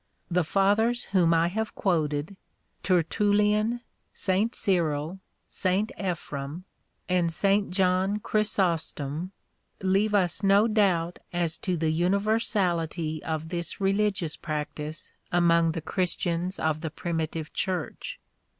The Fathers whom I have quoted, Tertullian, St. Cyril, St. Ephrem, and St. John Chrysostom, leave us no doubt as to the universality of this religious practice among the Christians of the primitive Church.